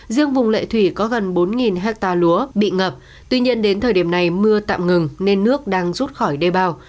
riêng vùng lệ thủy có gần bốn ha lúa bị ngập tuy nhiên đến thời điểm này mưa tạm ngừng nên nước đang rút khỏi đê bào